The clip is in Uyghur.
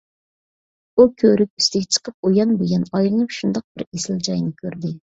ئۇ كۆۋرۈك ئۈستىگە چىقىپ ئۇيان - بۇيان ئايلىنىپ، شۇنداق بىر ئېسىل جاينى كۆردى.